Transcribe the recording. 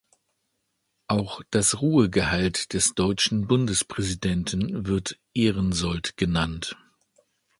Auch das Ruhegehalt des deutschen Bundespräsidenten wird Ehrensold genannt.